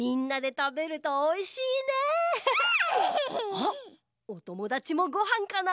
あおともだちもごはんかな？